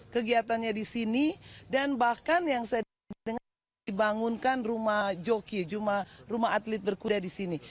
kegiatannya di sini dan bahkan yang saya dengar dibangunkan rumah joki cuma rumah atlet berkuda di sini